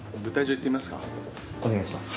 お願いします。